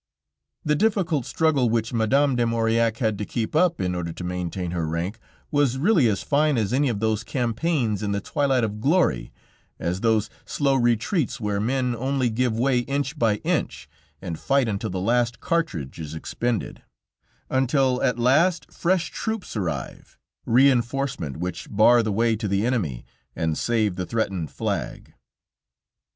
The difficult struggle which Madame de Maurillac had to keep up in order to maintain her rank, was really as fine as any of those campaigns in the twilight of glory, as those slow retreats where men only give way inch by inch and fight until the last cartridge is expended, until at last fresh troops arrive, reinforcement which bar the way to the enemy, and save the threatened flag.